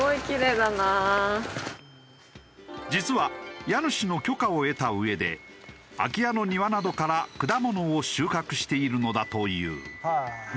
実は家主の許可を得た上で空き家の庭などから果物を収穫しているのだという。